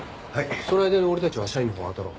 その間に俺たちは社員のほうあたろう。